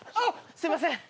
すいません。